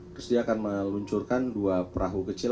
terus dia akan meluncurkan dua perahu kecil